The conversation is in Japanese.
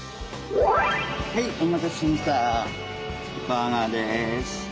はいお待たせしましたハンバーガーです。